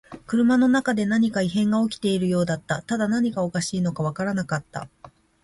車の中で何か異変が起きているようだった。ただ何がおかしいのかわからなかった。